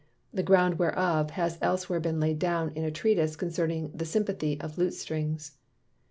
(The ground whereof has elsewhere been laid down in a Treatise concerning the Sympathy of Lute strings.)